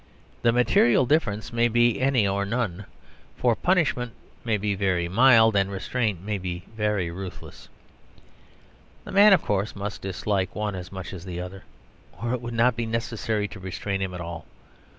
The material difference may be any or none; for punishment may be very mild, and restraint may be very ruthless. The man, of course, must dislike one as much as the other, or it would not be necessary to restrain him at all.